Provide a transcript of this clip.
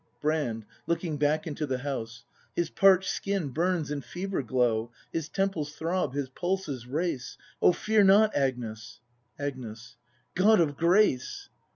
Brand. [Looking hack into the house!] His parch'd skin burns in fever glow; His temples throb, his pulses race ' Oh fear not, Agnes! Agnes. God of grace